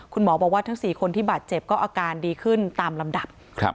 คุณหมอบอกว่าทั้ง๔คนที่บาดเจ็บก็อาการดีขึ้นตามลำดับ